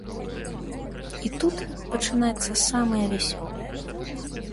І тут пачынаецца самае вясёлае.